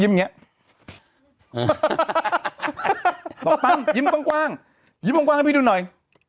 ยิ้มขวางให้พี่ดูหน่อย